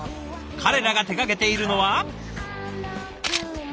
彼らが手がけているのは。